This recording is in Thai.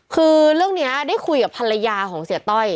คือเรื่องนี้ได้คุยกับภรรยาของเสียต้อย